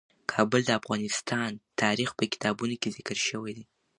کابل د افغان تاریخ په کتابونو کې ذکر شوی دي.